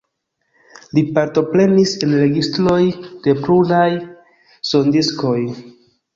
Li partoprenis en registroj de pluraj sondiskoj.